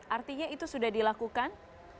artinya itu sudah dilakukan